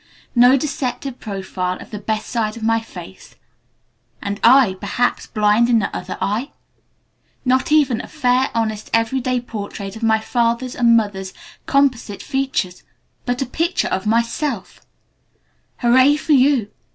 No deceptive profile of the best side of my face and I, perhaps, blind in the other eye? Not even a fair, honest, every day portrait of my father's and mother's composite features but a picture of myself! Hooray for you!